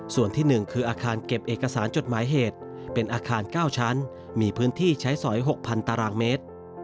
ส่วนที่๑คืออาคารเก็บเอกสารจดหมายเหตุเป็นอาคาร๙ชั้นมีพื้นที่ใช้สอย๖๐๐ตารางเมตร